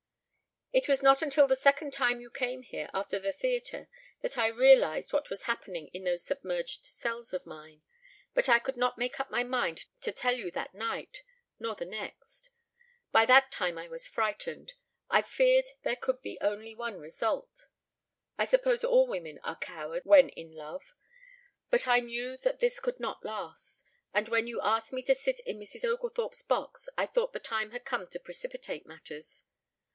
"It was not until the second time you came here after the theatre that I realized what was happening in those submerged cells of mine. But I could not make up my mind to tell you that night nor the next. By that time I was frightened. I feared there could be only one result. I suppose all women are cowards when in love. But I knew that this could not last, and when you asked me to sit in Mrs. Oglethorpe's box I thought the time had come to precipitate matters.